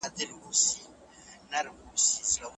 استازي په تالار کي د رايې ورکولو په حال کي دي.